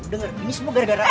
denger ini semua gara gara lo